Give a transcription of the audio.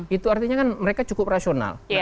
itu artinya kan mereka cukup rasional